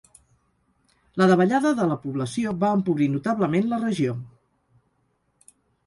La davallada de la població va empobrir notablement la regió.